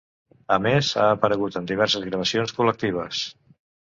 A més, ha aparegut en diverses gravacions col·lectives.